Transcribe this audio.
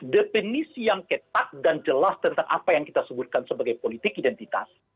definisi yang ketat dan jelas tentang apa yang kita sebutkan sebagai politik identitas